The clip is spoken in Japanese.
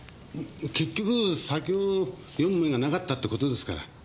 結局先を読む目がなかったってことですから。